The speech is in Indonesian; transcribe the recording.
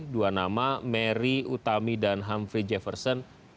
dua nama merry utami dan humphrey jefferson